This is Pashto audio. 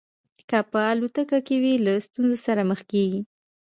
که په الوتکه کې وي له ستونزو سره مخ کېږي.